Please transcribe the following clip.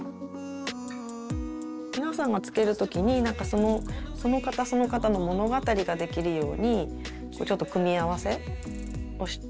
皆さんがつける時になんかそのその方その方の物語ができるようにちょっと組み合わせをして。